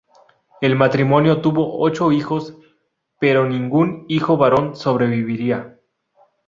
El matrimonio tuvo ocho hijos, pero ningún hijo varón sobreviviría.